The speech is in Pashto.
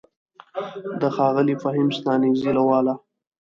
د ښاغلي فهيم ستانکزي له واله: